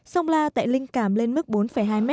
sông la tại linh cảm lên mức bốn hai m